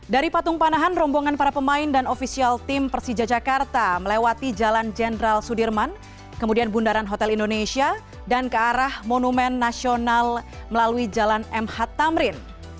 dari patung panahan rombongan para pemain dan ofisial tim persija jakarta melewati jalan jenderal sudirman kemudian bundaran hotel indonesia dan ke arah monumen nasional melalui jalan mh tamrin